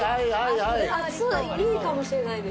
いいかもしれないです。